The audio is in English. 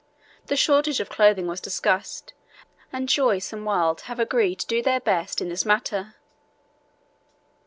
The shortage of clothing was discussed, and Joyce and Wild have agreed to do their best in this matter.